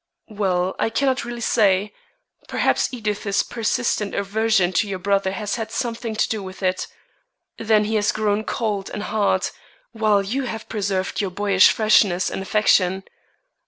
"Well, I cannot really say. Perhaps Edith's persistent aversion to your brother has had something to do with it. Then he has grown cold and hard, while you have preserved your boyish freshness and affection.